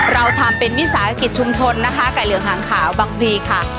เราทำเป็นวิสาหกิจชุมชนนะคะไก่เหลืองหางขาวบังพลีค่ะ